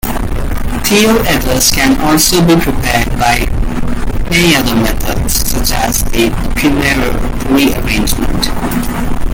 Thioethers can also be prepared by many other methods, such as the Pummerer rearrangement.